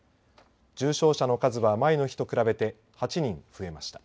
重症者の数は前の日と比べて８人増えました。